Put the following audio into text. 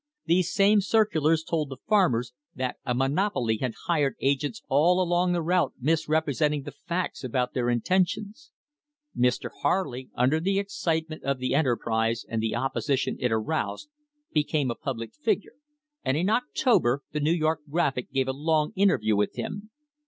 These same circulars told the farmers that a monopoly had hired agents all along the route misrepresenting the facts about their intentions. Mr. Harley, under the excitement of the enter prise and the opposition it aroused, became a public figure, and in October the New York Graphic gave a long interview with him.